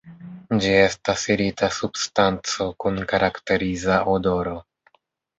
Ĝi estas irita substanco kun karakteriza odoro.